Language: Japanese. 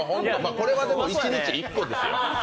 これはでも一日１個ですよ。